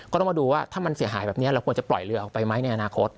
ก็ต้องมาดูว่าถ้ามันเสียหายแบบนี้เราควรจะปล่อยเรือออกไปไหมในอนาคต